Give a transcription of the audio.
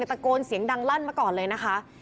ตะโกนเสียงดังลั่นมาก่อนเลยนะคะ